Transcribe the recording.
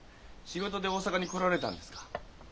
仕事で大坂に来られたんですか？